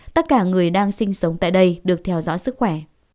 tất cả người đang sinh sống tại đây được theo dõi sức khỏe